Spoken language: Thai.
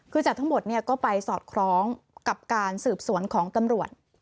คือจากทั้งหมดก็ไปสอดคล้องกับการสืบสวนของตำรวจ